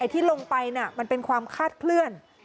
ที่ลงไปมันเป็นความคาดเคลื่อน